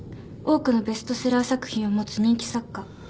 多くのベストセラー作品を持つ人気作家。